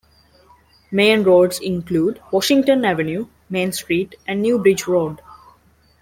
Main roads include Washington Avenue, Main Street and New Bridge Road.